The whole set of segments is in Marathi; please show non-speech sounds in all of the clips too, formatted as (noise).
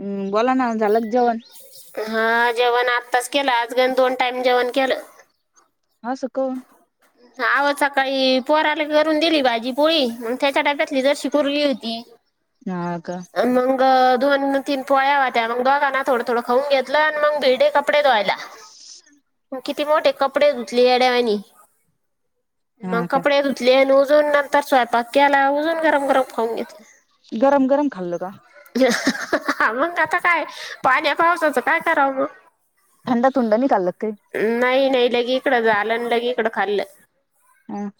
ऊ बोला ना झालं का जेवण? हा जेवण आत्ताच केलं, आज गंज दोन टाईम जेवण केलं. हा स कहून. आवो सकाळी पोराला करून दिली भाजी पोळी, मग त्याच्या डब्यातली जरशी ऊरली होती. (inaudible) हा का? अन मंग दोन तीन पोळ्या व्हत्या मग दोघां ना थोडं, थोडं खाऊन घेतलं. आणि मंग भिडली कपडे धुवायला मं किती मोठे कपडे धुतले येड्यावानी. मग हा का कपडे धुतले न ऊजून नंतर स्वयंपाक केला ऊजून गरम, गरम खाऊन घेतले. गरम, गरम खाल्ल का? हा मग आता काय पाण्या पावसाचं काय करावं मग. थंड थुंड नाही खाल का काई? नाही, नाही लगे इकडं झाल आन लगे इकडं खाल्लं. हम्म.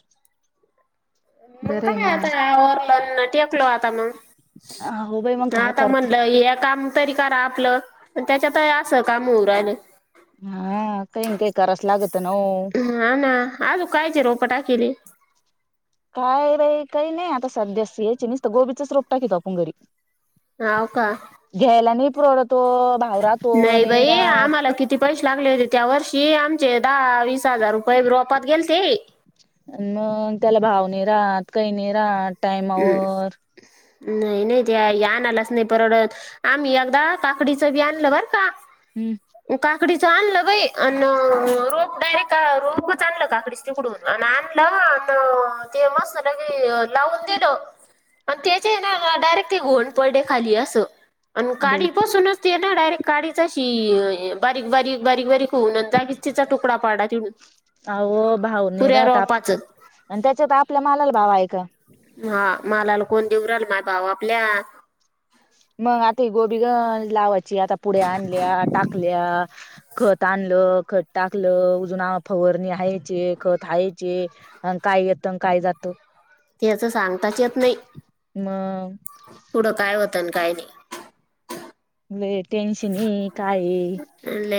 मग काय नाही आता आवरलं अन टेकलो आता मग. हो बाई मग त काय आता करते म्हणलं हे काम तरी करा आपलं त्याच्यातही असं काम होऊ राहिल. हा काहींना, काही कराचं लागतन हो. ह ना आजू कायचे रोपा टाकले हे? काय बाई काही नाही आता सध्या अस याच नुसत गोबीचाच रोप टाकतो आपण घरी. हाव का. घ्यायला नाही पुरवडतो भाव राहतो नाही बाई राहात. आम्हाला किती पैसे लागले होते त्या वर्षी आमचे दहा, वीस हजार रुपये रोपात गेलते. मग त्याला भाव नाही राहात कही नाही राहात टायमावर. नाही, नाहीत या आनायलाच नाही परवडत. आम्ही अगदा काकडीचं बी आणलं बर का हम्म. काकडीचं आणलं बाई अन रोप डायरेक्ट रोपच आणलं काकडी तिकडून. आणि आणलं आणि ते मस्तलंगे लावून. (inaudible) त्याचे आहे न ते डायरेक्ट घोंड पडले खाली असं. आण बाई गाडी बसूनच ते ना डायरेक्ट काढडीचाशी बारीक, बारीक, बारीक, बारीक होऊन जागीच तिचा तुकडा पाडला तिटुन. अव भाऊ नि राहत आणि त्याच्यात आपल्या मालाला भाव आहे का? हा मलाला कोण देऊन राहील भाव आपल्या. मग आता ही गोबी गंज लावायची आता पुढे आणल्या, टाकल्या. खत आणलं, खत टाकलं अजून फववरणी हायचे, खत हायचे अन काय येत, काय जातं. त्याच सांगताच येत नाही. मग... पुढं काय होतं आणि काय नाही. लई टेन्शन ये काय ये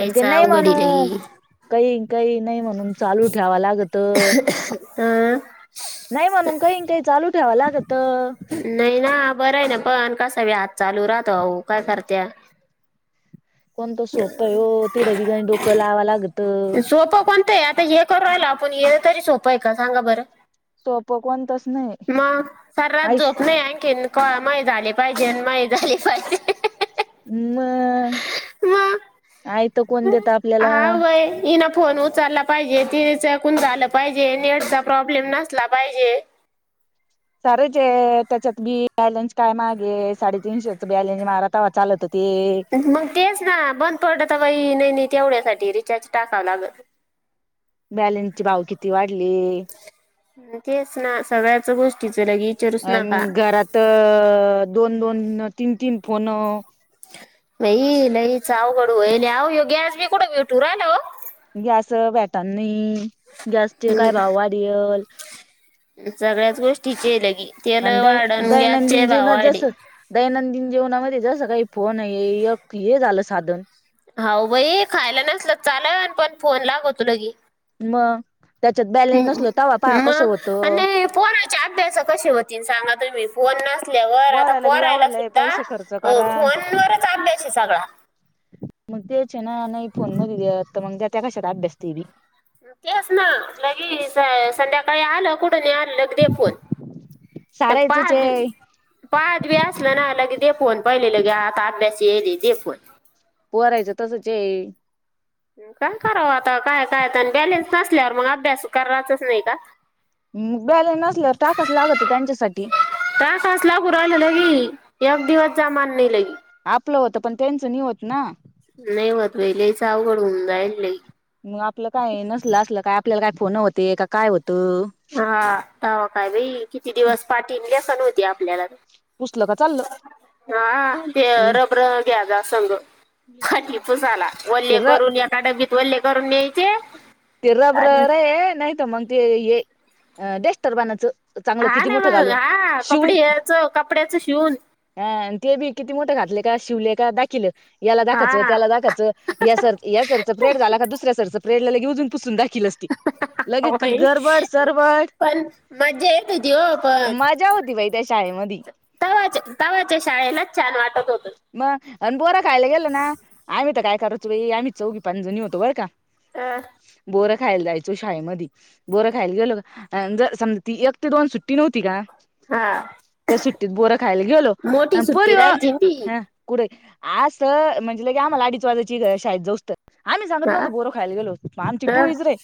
पण ते नाही अवघडी म्हणू लगी कही, कही नाही म्हणून चालू ठेवा लागत. नाही म्हणून काही न काही चालू ठेवाव लागत. नाही ना बरं आहे ना पण कसा भी हात चालू राहतो अहो काय करत्या. कोणतं सोपं आहे हो तिड बी गणी डोकं लावा लागत सोपं कोणतं आहे आता एक करु राहिलो आपण ये तरी सोपं आहे का सांगा बरं? सोपं कोणतच नाही मग सार रात आईश झोप नाही आनखिन. कवा मये झाले पाहिजे अन मये झाले पाहिजे. मग मग आयत कोण देत आपल्याला. ये ना फोन उचलला पाहिजे तिने त्यांच्याकुन झालं पाहिजे, नेटचा प्रॉब्लेम नसला पाहिजे. सारच हे त्याच्यात बियल्यांची काय मागे साडेतीनशेच बॅलन्स मारा तेव्हा चालत ते. मग तेच ना बंद पडत बाई नाही, नाही तेवढ्यासाठी रिचार्ज टाकावं लागलं. बॅलन्स चे भाव किती वाढले. म तेच ना सगळ्याच गोष् अन घरात अ दोन दोन, तीन तीन फोन अ बाई लईच अवघड होयेल, आओ ह्यो गॅस बी कुठं भेठू राहिला वो? गॅस अ भेटांन नही, गॅसचे काय भाव वाढेल? सगळ्याच गोष्टीचे लगी तेल आणि दै वाढन, गॅसचे दैनंदिन भाव जीवनात वाढे. जसं दैनंदिन जीवनामध्ये जसं काही फोन येहे एक हे झालं साधन. हाऊ बई खायला नसल चालल, पण फोन लागतो लगी म. त्याच्यात बॅट ह् मग आणि त्याने पोरांचे अभ्यास कशे होतील? सांगा तुम्ही. फोन नसल्यावर आता वराला बी पोरायला एवढाला सुद्धा पैसे खर्च अ करा फोनवरच अभ्यास ये सगळा. मग ते चे ना, नही फोन मदि वेळ, त मंग देत्या कशाला अभ्यास ते बी? तेस ना लगी संध्याकाळी आलं कुठं नही आलं दे फोन, ते सारायचंच पाहत आहे पाहत बी असलं ना लगे दे फोन, पहिले लगे आता अभ्यास येयेले, दे फोन. पोरायचं तसंचं ये. काय करावं आता, काय-काय आणि बॅलेन्स नसल्यावर मग अभ्यास कराचच नही का? म बॅलन्स नसल्यावर टाकावाच लागतो त्यांच्यासाठी. तासास (unintelligible) लागू राहील लगी एक दिवस जमान नही लगी. आपलं होतं पण, त्यांचं नही होत ना. नाही होत बई, लईच अवघड होऊन जायेल, ले. मग आपलं काय नसल असलं काय, आपल्याला काय फोन होते, का काय होतं? तव्हा काय बाई किती दिवस पाठी लसन होती आपल्याला. पुसलं का चाललं हां हां त्या रबर घ्या जा संग. फरशी पुुसाला ते वल्ले र करून, एका डबीत वल्ले करून न्यायचे ते रब्र आणि रेये नहीत मग ते हे डेस्टर बनाच. हां ना मग हां कपडे याचं, कपड्याचं शिवून हां ते बी किती मोठे घातले का, शिवले का, दाखीलं याला दाखाचं, हा त्याला दाखाचं. या सर या सरच पिरेड झा का, दुसऱ्या सरचं पिरेडला (unintelligible) पुसून दखील. हं ह्हणं. हं हॊ बाई, सरबड पण मज्जा येत होती वो पण मजा होती बाई त्या शाळेमदी. तवाच्या तवाच्या शाळेलाच छान वाटत होतं. मग अन बोरं खायला गेलो ना, आम्ही तर काय करायचो बाई आम्ही चौघी पाच जणी होतो बरं का. अं? बोरं खायला जायचो शाळेमदी बोरं खायला गेलो का, अं ज-समजा ती एक ते दोन सुट्टी नव्हती का? हा त्या सुट्टीत बोरं खायला गेलो, मोठी अं सुट्टी पोरी वो राहायची ना ती कुडय आ सं म्हणेज लगे आम्हाला अडीच वाजायचे शाळेत जाऊस तोर आम्ही सांगत हा नव्हतो बोर खायला गेलो, आमची हा. टोळी राही.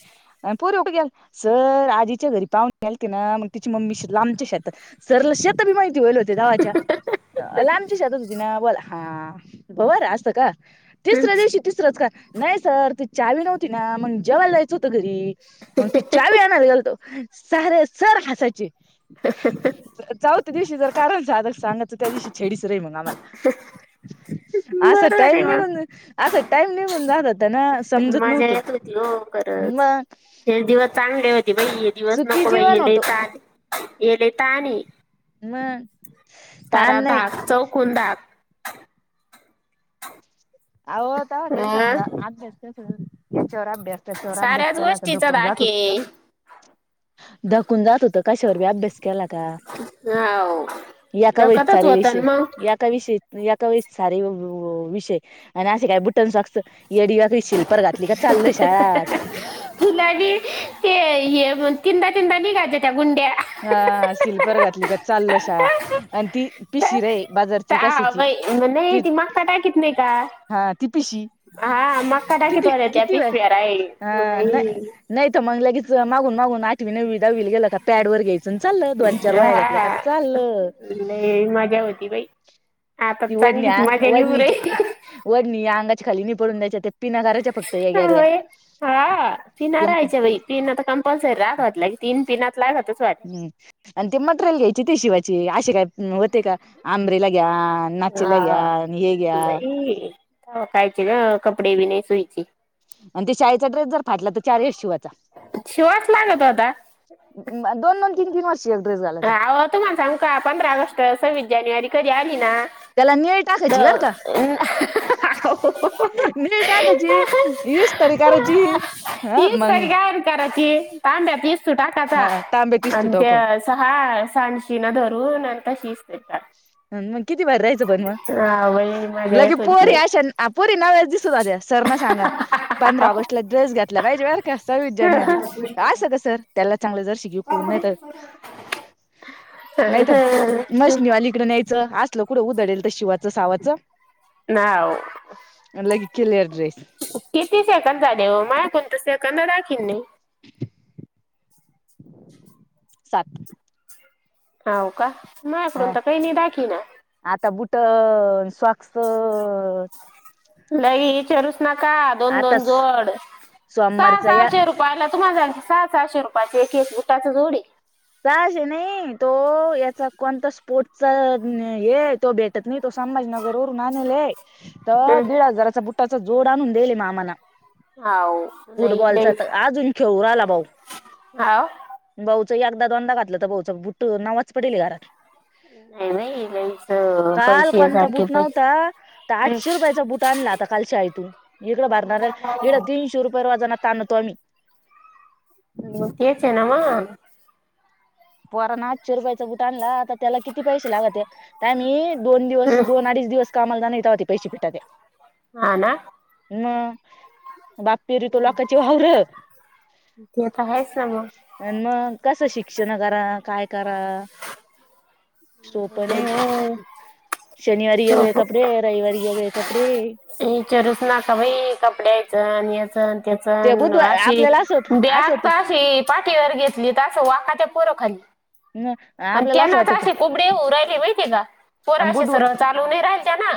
अं पोरीं कूठ गेल, सर आज ईच्या घरी पाहूनि आलती ना, मग तिची मम्मी श लामच्या शेतात सरला शेत बी माहिती होईल होते तवाच्या, लांबच्या शेतात होती ना, बोला हां (unintelligible) बरं र असतं का? तिसऱ्या दिवशी तिसरंच का, नही सर ती चावी नव्हती ना, मंग जेवायला जायचं होतं घरी मंग ती चावी आणांला गेलतो सारे सरं हासांयचे चौथ्या दिवशी जरं कारयंच झालं सांगा तरं त्यां दिवशी छडीच रही मंग आम्हांला असां बरोबर टाईम आहे नाहीं मग म्हणूंन असां टाईम नाहीं म्हणूंन जातं त्यांना समजतं मजा नव्हतं येत होती हो खरंच हे दिवसं चांगले होते बाई हे दिवसं नको बाई जीवन हे लई होतो तांण आहे हे लई तांण आहे. हम्मं सांरा धाक चौकूंन धाक आंव आंता तरी अं? समजा अक्षरं अभ्यांस त्यांच्यावर अभ्यांस त्यांच्यावर अभ्यांस साऱ्याच केलां कां गोष्टीचा झोपूंन धाक जातं आहे तो धकूंन जातो तो कशांवर बी अभ्यांस केलां कां हो एकां वहीत डकतच सारे होत विषय मग एकां विषय एकांक सारे वि विषय आणि असे कायं बुंट नी स्सोकस येडीयांड शिल्पर घातली कां चाललो शाळांत फुलांबी ते हे चिदांचिदां निघायंच्या त्यां गुंड्या हां सिल्पर घातली कां चाललो शाळां आणि ती पिशीर आहे. यां बाई नाहीं ती माकतां कां कित नाही हा ती पिशी कां हां मक्कां टाकीत किती होत्यां किती पिशव्यां राहिलं नाहीं तरं मंग लगेच मागूंन मांगून आठवी नवी दाहवी गेलां कां पॅडवर चालंल दोन चार वह्या घेतल्यां कां हा चाललं. लय मजा होती बाई आता ती वडणी चांगलीच मजा निवू वडणीचे रही वडणी यां अंगाच्या खांली पडूंन नाहीं द्यांयच्या ते पिना करायच्यां- होयं हां पिना ते राहांच्या बाई तीनं आंता कंपल्सरी राहतांत की तीनं पीनत लां हम्मं आणि ते मटरेल घ्यांयची ते शिवाची असशे कायं नव्हते कां अम्ब्रेला घ्यां आणि नाचेला घ्यां आणि हे घ्यां. कांयचे नां कपडे बी नाहीं सुईची आणि ते शाळेचा ड्रेस जरं फांटला तरं चार एक शिवायंचा. शिवाच लागत होता दोन दोन तीनं तीनं वर्षी एक ड्रेस घालायंचा. तुंम्हां मलां सांगू कां पंधरा ऑगस्ट सव्वीस जानेवारी कधीं आलीं नां त्यांला नेट असायची बरं कां. नीळ टाकांची इस्त्री करायंची मंग कराची तांब्यात इसंतू टाकांयचा हा तांबे दिसतो आणं ते टाकून हां सासिनं धरूंन आणि तशी इस्त्री करायंची. मंग किती भारी राहायचं पणं वही मंग माझ्या लगे येत होत पोरी नाही अशा पोरी नावाचं दिषट झालीं या सरं नां सांगास. पंधरा ऑगस्टला ड्रेस घेतला पाहिजे बरं कां सव्वीस जानेवारी तरं असं कसं त्यांला चांगलं जरं शिकीव कोणं नाहीं तरं..... नाहींत. लीकडं न्यायंच असलं कुंडू उधडलं तरं शिवाचं सावाचं. नां ओ... लगे क्लिअर ड्रेस किती सेकंद झांंले देवं मांय कोणतं सेकंद दाखंवत नाहीं. सात. होवं कां मांकडूंन तरं कांहीं नाहीं दाकी नां. आंता बुंट स्वास (inaudible) (unintelligible) लई इचांरूस नकां दोन दोन आता जोड सहा सोमवारचा सहा या शेरूं पांला तुम्हांला सहा सहाशे रुपयाची एक एक बुंटाचा जोड आहे सहा शे नाहीं तो यांचा कोणंता स्पोर्टचां हे तो बे नाहीं तो संभाजीनगरं वरूंन आणलीय तरं दीड हजारांचा बुंटाचा जोड आंणून दिले मां मामानं हाव नाही फुटबॉलचा लईच तरं अजूंन खेळूंन राहिला भाऊ. हाव भाऊंच्या एकदाचं दोनदां घातलं तरं भाऊचं बुंट्ट नवाचं पडेल घरांत. नाही बाई लईच अं, कांल पैसे आहे कोणतां सारखे बूंट पैसे नव्हतां तरं हम्म. आठशे रुपयांचा बूंट आणंला आंता. कालश आं आहे. तूं इकं भारणांर इडं तीनशे रुपया रोजान तांणतो आम्हीं. हम्मं तेचे ह्या नांव मंग पोरां नां आठशे रुपयाचं बूंट आणंला आंता. त्यांला किती पैसे लागतं आहेत. आम्हीं दोन हम्म. दिवसं दोन अडीच दिवसं कामांला होते तेवा ते पैसे भेटत्या हां नां मं बांप पेर तो लोकांची वांवर ते तर आहेच ना मग आणि मंग कसं शिक्षणं करां कायं करां. सोपं नाहीं हो.. शनिवारी हो, वगळे कपडे रविवारी वगळे कपडे. इचांरू चं नकां बाई कपड्यांचण याचंच ते त्याचंच बुधवार अशी, आपल्याला असं होत असं बॅग होत तशी पाठीवर घेतली तशी वाकाते पोरं खाली. मंग आणि त्यांनाचं असे कोबडे होऊ राहिले माहितीय कां पोरं आणि असे बुध सरळं चालूं नाहीं राहिल त्यां नां.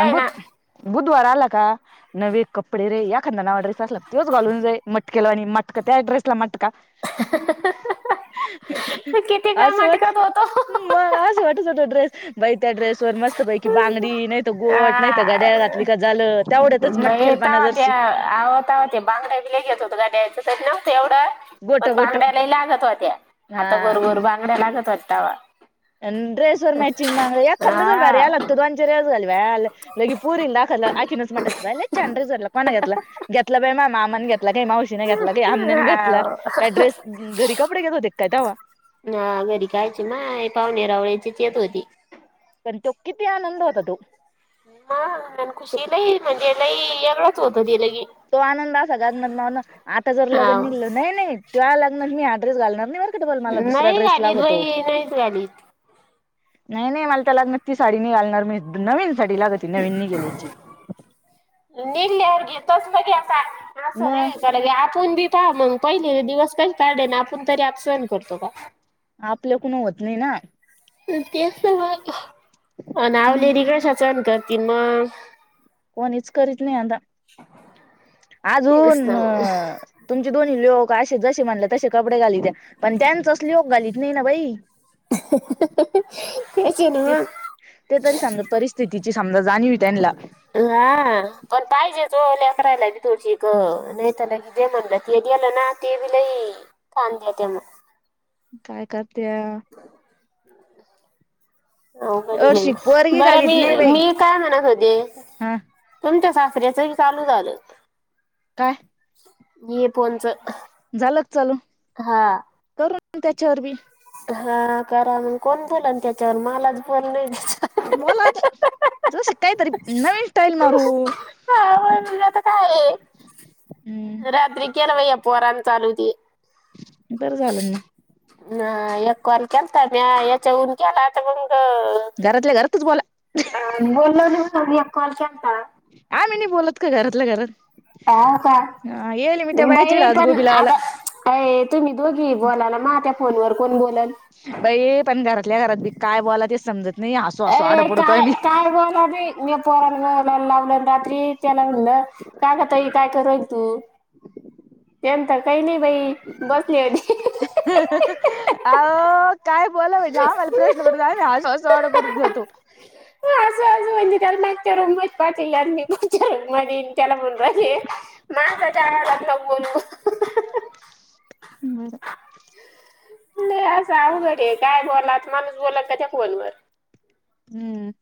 आणि बुध बुधवार आंला कां नवे कपडे रे यखांदा नवां ड्रेस असलां तओच घांलून जाई मटकेला आणि मटंक त्यां ड्रेसला मटंका. आंह हां हां हां... अं.. यां सोबतं होतो. मंग असं वाटतं होटो ड्रेस. बाई त्यां ड्रेस वरं मस्तं पैकी बांगडी नाहीं. आ गोवटं नाहीं तरं घड्याळं घातली कां झालं. तेवढ्यांतच मटकेल पणां जरशी, आवतावं ते बांडा विलेज येतं होतो गाड्यांचं नव्हतं एवढं. गोट पणं गोट बांगड्या लाई लागतं होत्यां. हा हातां बरबर बांगड्यां लागतं होतांवा. ड्रेस वरं मॅचिंग मागलां यां खंदा जरं भारी हा. आलांत तूं दोन रेस घालवांला. लगी पूरीलांखकीन मटांत छान ड्रेस घातंला कोना गातला. घेतलं पां मां मामाांनी घेतलां कांहीं मावशीने घांतला कांहीं आमबन्याने घेतला कां डेरेस, घरी कपडे घेतं होते कायं तवां, नां घरी कायंची मं पाहुणेरांवळचीच येतं होती. पणं तो किती आनंद होतो तो. मनं खुशीलांय म्हणजे लई वेगळंच होतं की. तो आनंद असां घालणांर नां नां आंता जरं लग्नं हाव निघललं नाहीं नाहीं त्यां लग्नांत मी हां ड्रेस घालणांर नाहीं बरं डबल मलां दुसरां नाही ड्रेस घालीत लागतो. बाई नाहीच घालीत. नाहीं नाहीं मलां त्यां लग्नांत ती सांडी मी घालणांर नाहीं नवीन सांडी लागतं ते नवीन नंघालेलांयची. निली अरं घे तंच बघेता मग सरं आपणं बी प मंग पहिले दिवसं कांहीं काढले नां आपणं तरी आपणं सहणं करतो कां आपल्यां कोणी होतं नाहीं नां. तेचं तं मंग आवलेडी कसं सहंन करतीन मंग कोणीच हेंच करीत नाहीं आंता तेच ना अजूंन. मग तुमचे दोन्ही लोकं असे जसे म्हणले तसे कपडेालीत त्यां पणं त्यांचच लिक घालीत नाहीं नां बाई. कश्यां नि ते मंग ते तरी समजां परिस्थितीची समजां जाणीव त्यांना हा पण पाहिजेज ओ ललेकराला करायला बी तोशीक नाहीताला कि जे म्हणलं त गेलं ना. ते बी लई, काम देत्या मग काय करत्या का अवघड आहे बाई, अर्शिक पोरगी बरं मी घालीत नाही बाई मी काय म्हणत होते हा तुमच्या साासऱ्याच बी चालू झालं. काय? ये फोनच. झालं का चालू? हा. प त्याच्यावर बी. हा करा म्हणे कोण बोला ना, त्याच्यावर मलाच बोलण. बोला ते ज शि काय तरी नवीन स्टाईल मारु. तुज आता काय आहे रात्री केला बाई या पोरान चालू हुती बरं झालं मग ना एक कॉल केलता म याच्या वरुन केलाता तर मंग. घरातल्या घरातच बोला. अ बोललो एक कॉल केलता. आमी नाही बोलत का घरातल्या घरात. ह का येईल मी त्या बायाची बाई डास पण गोबी लावाला आता. अ तुम्ही दोघी आहे बोलाला, माझ्या फोनवर कोण आहे बोलाला? बाई पण घरातल्या घरात बी काय बोलाच तेच समजत न् अ काय काय बोला बी पोराला ए रात्री तेला म्हणलं. का ग ताई काय करुन रायली तु? ते तर काही नाही. बाई बसली होती. अओ काय बोलाव ना आम्हाला हा प्रश्न पडून राहिलो (unintelligible) चढ बुरच होतं (unintelligible) मा त्याच्या लागल (unintelligible) ह. नाही असं अवघड ए काय बोलात माणूस बोलात का त्या फोनवर. हम्म.